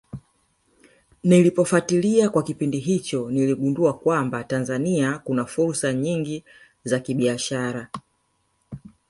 Nilipofatilia kwa kipindi hicho niligundua kwamba Tanzania kuna fursa nyingi za kibiashara